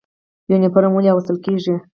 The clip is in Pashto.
یونفورم ولې اغوستل کیږي؟